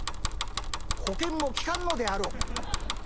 保険も利かぬのであろう」。